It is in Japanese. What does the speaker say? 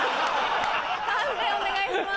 判定お願いします。